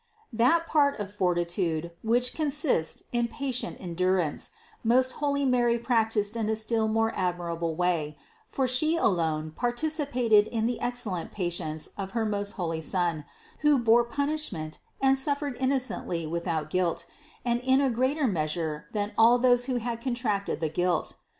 That part of fortitude which consists in patient endurance, most holy Mary practiced in a still more ad mirable manner, for She alone participated in the ex cellent patience of her most holy Son, who bore punish ment and suffered innocently without guilt, and in a greater measure than all those who had contracted the guilt.